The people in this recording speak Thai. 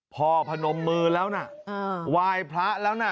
พอพนมมือแล้วนะวายพระแล้วนะ